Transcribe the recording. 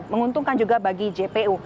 menguntungkan juga bagi jpu